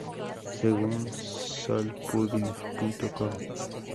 Según "solpugid.com"